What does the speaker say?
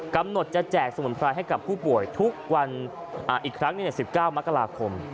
กำหนดจะแจกสมุนไพรให้กับผู้ป่วยทุกวันอีกครั้ง๑๙มกราคม